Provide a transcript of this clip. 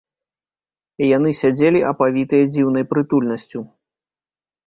Яны сядзелі, апавітыя дзіўнай прытульнасцю.